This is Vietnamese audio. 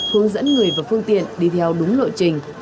hướng dẫn người và phương tiện đi theo đúng lộ trình